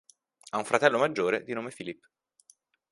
Ha un fratello maggiore di nome Philip.